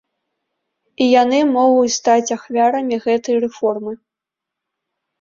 І яны могуць стаць ахвярамі гэтай рэформы.